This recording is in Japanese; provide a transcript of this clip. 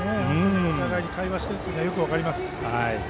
お互いに会話しているのがよく分かります。